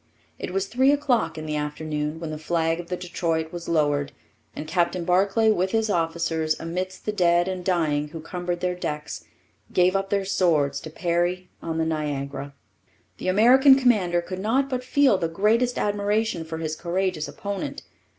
It was three o'clock in the afternoon when the flag of the Detroit was lowered, and Captain Barclay with his officers, amidst the dead and dying who cumbered her decks, gave up their swords to Perry on the Niagara. The American commander could not but feel the greatest admiration for his courageous opponent.